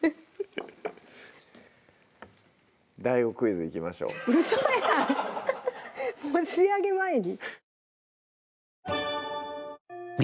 「ＤＡＩＧＯクイズ」いきましょうウソやんもう仕上げ前に？